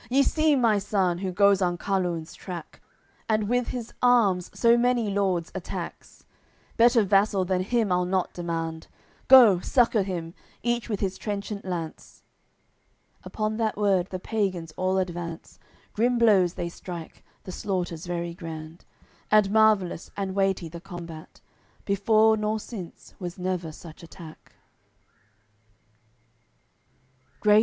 Ye see my son, who goes on Carlun's track, And with his arms so many lords attacks; Better vassal than him I'll not demand. Go, succour him, each with his trenchant lance!" Upon that word the pagans all advance; Grim blows they strike, the slaughter's very grand. And marvellous and weighty the combat: Before nor since was never such attack.